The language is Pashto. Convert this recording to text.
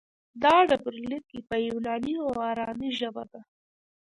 دا ډبرلیک په یوناني او ارامي ژبه دی